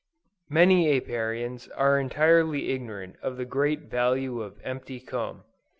Many Apiarians are entirely ignorant of the great value of empty comb.